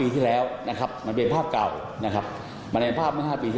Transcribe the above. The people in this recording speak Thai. ทนายตั้มเนี่ย